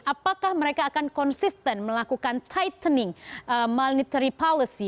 apakah mereka akan konsisten melakukan tightening monetary policy